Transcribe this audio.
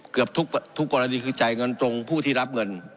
เกือบทุกกรณีคือจ่ายเงินตรงผู้ที่รับเงิน